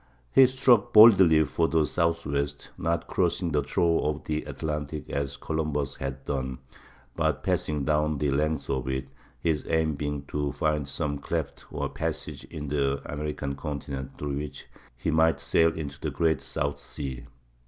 He struck boldly for the Southwest, not crossing the trough of the Atlantic as Columbus had done, but passing down the length of it, his aim being to find some cleft or passage in the American continent through which he might sail into the Great South Sea.